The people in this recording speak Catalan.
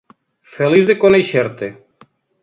Feliç de conèixer-te.